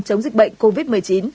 chống dịch bệnh covid một mươi chín